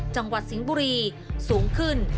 จังหวัดสิงห์บุรีสูงขึ้น